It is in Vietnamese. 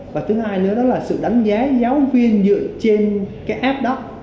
và thứ hai nữa đó là sự đánh giá giáo viên dựa trên cái app đó